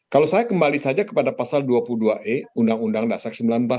kalau saya kembali saja kepada pasal dua puluh dua e undang undang dasar seribu sembilan ratus empat puluh lima